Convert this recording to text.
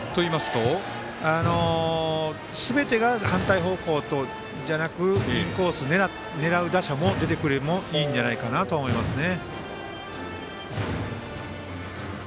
すべてが反対方向じゃなくインコース狙う打者も出てきてもいいんじゃないかなと思いますね。